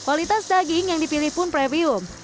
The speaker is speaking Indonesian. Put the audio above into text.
kualitas daging yang dipilih pun premium